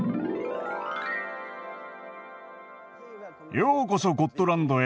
ようこそゴットランドへ。